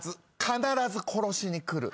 必ず殺しに来る。